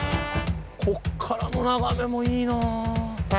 こっからの眺めもいいなぁ。